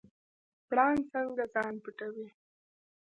پړانګ څنګه ځان پټوي؟